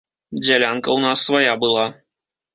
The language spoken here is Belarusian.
Дзялянка ў нас свая была.